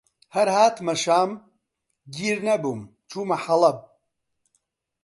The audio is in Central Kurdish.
هەر هاتمە شام، گیر نەبووم چوومە حەڵەب